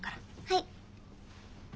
はい。